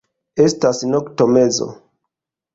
Estas noktomezo.